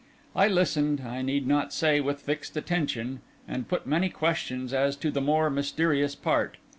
I listened, I need not say, with fixed attention, and put many questions as to the more mysterious part.